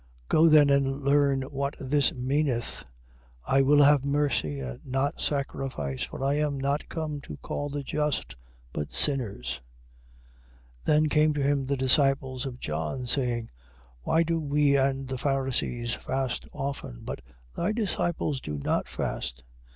Go then and learn what this meaneth, I will have mercy and not sacrifice. For I am not come to call the just, but sinners. 9:14. Then came to him the disciples of John, saying: Why do we and the Pharisees, fast often, but thy disciples do not fast?